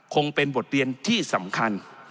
คงเป็นบทเรียนที่สำคัญ